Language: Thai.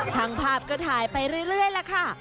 ช่างภาพก็ถ่ายไปเรื่อยล่ะค่ะ